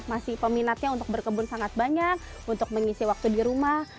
masih peminatnya untuk berkebun sangat banyak untuk mengisi waktu di rumah